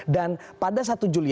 dan pada satu juli